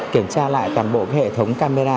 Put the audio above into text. kiểm tra lại toàn bộ hệ thống camera